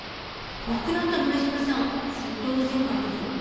亡くなった前島さん窃盗の前科がある。